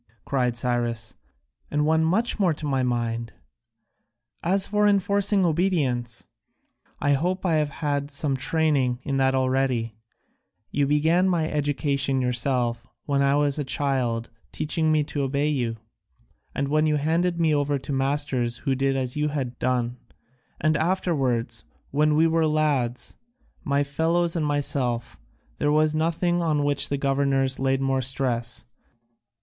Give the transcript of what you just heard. cried Cyrus, "and one much more to my mind! As for enforcing obedience, I hope I have had some training in that already; you began my education yourself when I was a child by teaching me to obey you, and then you handed me over to masters who did as you had done, and afterwards, when we were lads, my fellows and myself, there was nothing on which the governors laid more stress.